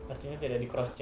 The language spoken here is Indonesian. artinya tidak di cross che